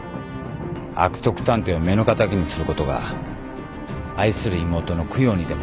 悪徳探偵を目の敵にすることが愛する妹の供養にでもなるのか？